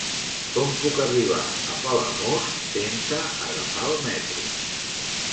Com puc arribar a Palamós sense agafar el metro?